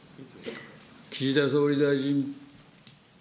岸田総理大臣。